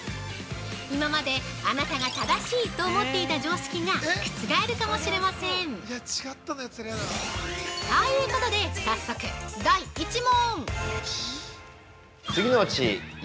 今まであなたが正しいと思っていた常識が覆るかもしれません！ということで、早速第１問！！